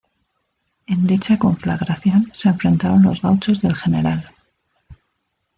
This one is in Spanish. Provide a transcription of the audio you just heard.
En dicha conflagración se enfrentaron los gauchos del Gral.